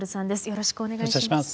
よろしくお願いします。